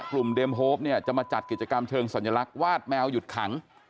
เดมโฮปเนี่ยจะมาจัดกิจกรรมเชิงสัญลักษณ์วาดแมวหยุดขัง